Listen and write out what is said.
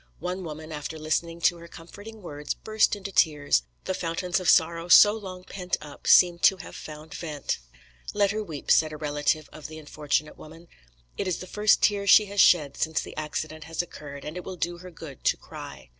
One woman, after listening to her comforting words, burst into tears the fountains of sorrow so long pent up seemed to have found vent. "Let her weep," said a relative of the unfortunate woman; "it is the first tear she has shed since the accident has occurred, and it will do her good to cry."